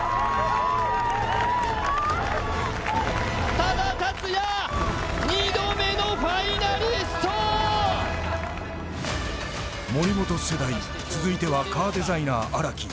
多田竜也、２度目のファイナル！森本世代、続いてはカーデザイナー・荒木。